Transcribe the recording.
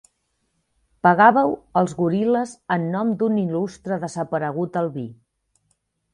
Pegàveu els goril·les en nom d'un il·lustre desaparegut albí.